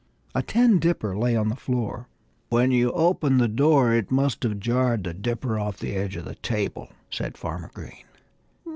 A tin dipper lay on the floor. "When you opened the door it must have jarred the dipper off the edge of the table," said Farmer Green.